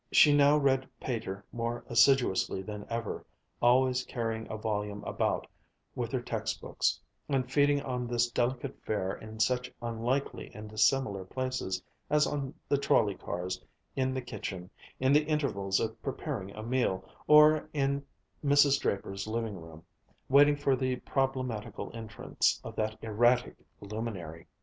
She now read Pater more assiduously than ever, always carrying a volume about with her text books, and feeding on this delicate fare in such unlikely and dissimilar places as on the trolley cars, in the kitchen, in the intervals of preparing a meal, or in Mrs. Draper's living room, waiting for the problematical entrance of that erratic luminary.